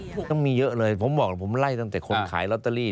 ต้องมีเยอะเลยผมบอกแล้วผมไล่ตั้งแต่คนขายลอตเตอรี่